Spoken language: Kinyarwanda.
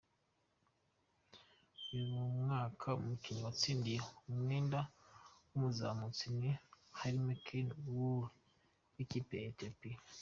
Uyu mwaka umukinnyi watsindiye umwenda w’umuzamutsi ni Hailemikial Mulu w’ikipe ya Ethiopia.